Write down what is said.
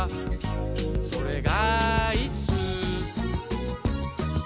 「それがいっすー」